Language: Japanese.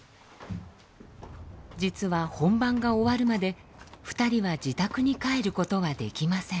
実は本番が終わるまで２人は自宅に帰ることができません。